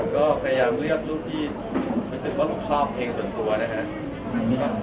ก็พยายามเลือกรูปที่ผมรู้สึกว่าผมชอบเพลงส่วนตัวนะครับ